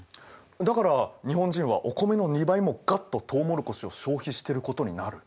だから日本人はお米の２倍もガッととうもろこしを消費してることになる。